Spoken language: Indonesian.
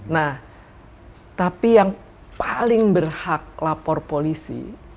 nah tapi yang paling berhak lapor polisi